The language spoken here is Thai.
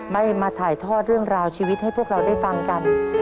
ไม่มาถ่ายทอดเรื่องราวชีวิตให้พวกเราได้ฟังกัน